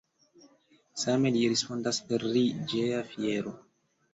Same li respondas pri Geja Fiero.